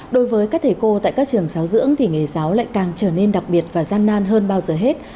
đối với các thầy cô tại các trường giáo dưỡng thì nghề giáo lại càng trở nên đặc biệt và gian nan hơn bao giờ hết